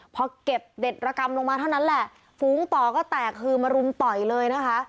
พอเก็บเด็ดระกรรมลงมาเท่านั้นแหละฝูงต่อก็แตกคือมารุมต่อยเลยนะคะ